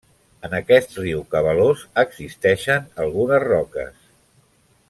En aquest riu cabalós, existeixen algunes roques.